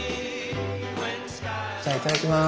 じゃあいただきます。